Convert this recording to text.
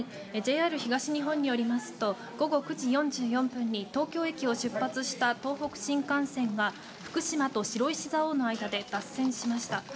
ＪＲ東日本によりますと午後９時４４分に東京駅を出発した東北新幹線が福島と白石蔵王の間で脱線しました。